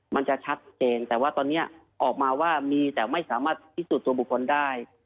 มันจะชัดเจนแต่ว่าตอนนี้ออกมาว่ามีแต่ไม่สามารถพิสูจน์ตัวบุคคลได้